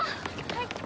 はい。